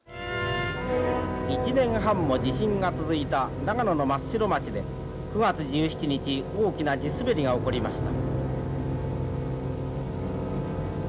１年半も地震が続いた長野の松代町で９月１７日大きな地滑りが起こりました。